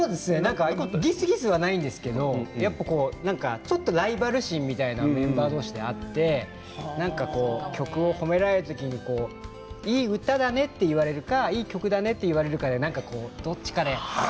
ぎすぎすではないんですけれどちょっと、ライバル心みたいなものがメンバー同士であって曲を褒められた時にいい歌だねって言われるかいい曲だねって言われるかどっちかなって。